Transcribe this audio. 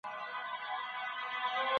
روښانه فکر فشار نه خپروي.